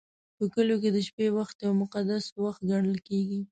په کلیو کې د شپې وخت یو مقدس وخت ګڼل کېږي.